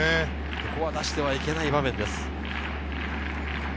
ここは出してはいけない場面です。